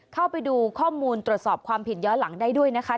เข้าไปดูข้อมูลตรวจสอบความผิดย้อนหลังได้ด้วยนะคะ